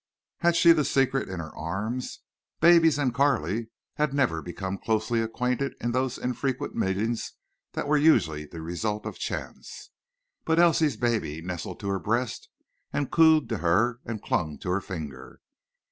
Had she the secret in her arms? Babies and Carley had never become closely acquainted in those infrequent meetings that were usually the result of chance. But Elsie's baby nestled to her breast and cooed to her and clung to her finger.